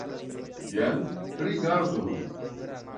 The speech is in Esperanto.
Jen rigardu.